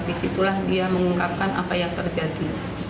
di situlah dia mengungkapkan apa yang terjadi